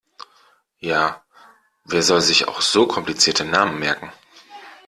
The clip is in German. Ja, wer soll sich auch so komplizierte Namen merken!